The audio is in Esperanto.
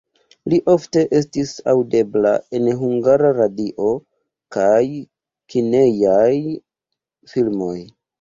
Li ofte estis aŭdebla en Hungara Radio kaj kinejaj filmoj.